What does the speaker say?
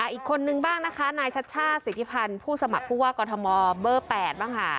อีกคนนึงบ้างนะคะนายชัชชาติสิทธิพันธ์ผู้สมัครผู้ว่ากอทมเบอร์๘บ้างค่ะ